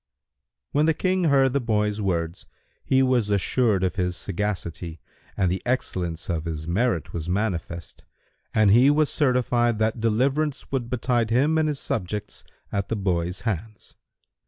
'" When the King heard the boy's words, he was assured of his sagacity, and the excellence of his merit was manifest and he was certified that deliverance would betide him and his subjects at the boy's hands.